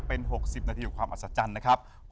เป็น๖๐นาทีของความอัศจรรย์นะครับ